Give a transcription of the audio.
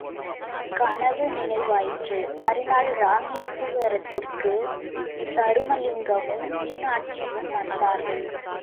கனவு நினைவாயிற்று மறுநாள் இராமேசுவரத்திற்குத் தருமலிங்கமும் மீனாட்சியும் வந்தார்கள்.